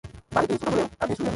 বাড়ীটি ছোট হলেও বেশ সুবিধাজনক।